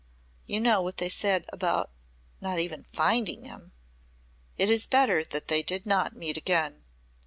You know what they said about not even finding him!" "It is better that they did not meet again.